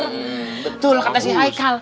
betul kata si haikal